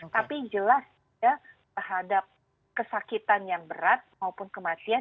tapi jelas ya terhadap kesakitan yang berat maupun kematian